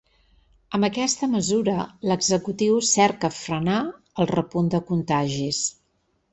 Amb aquesta mesura, l’executiu cerca frenar el repunt de contagis.